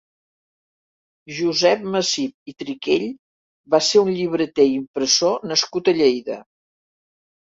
Josep Masip i Triquell va ser un llibreter i impressor nascut a Lleida.